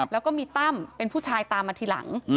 แล้วก็มีตั้มเป็นผู้ชายตามมาทีหลัง